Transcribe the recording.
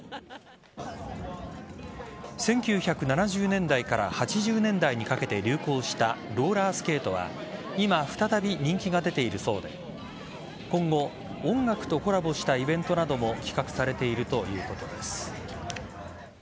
１９７０年代から８０年代にかけて流行したローラースケートは今、再び人気が出ているそうで今後音楽とコラボしたイベントなども企画されているということです。